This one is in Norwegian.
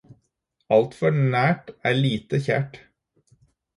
Altfor nært er lite kjært